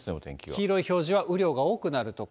黄色い表示は雨量が多くなる所。